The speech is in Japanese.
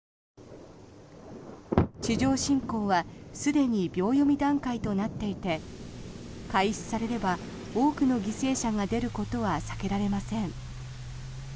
地上侵攻はすでに秒読み段階となっていて開始されれば多くの犠牲者が出ることは避けられません。